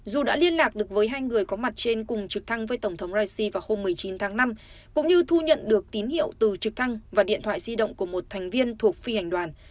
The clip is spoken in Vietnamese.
dù đã liên lạc được với hai người có mặt trên cùng trực thăng với tổng thống raisi vào hôm một mươi chín tháng năm cũng như thu nhận được tín hiệu từ trực thăng và điện thoại di động của một thành viên thuộc phi hành đoàn